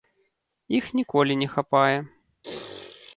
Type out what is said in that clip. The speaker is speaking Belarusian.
Іх ніколі не хапае.